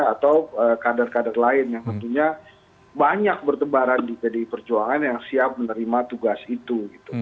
atau kader kader lain yang tentunya banyak bertebaran di pdi perjuangan yang siap menerima tugas itu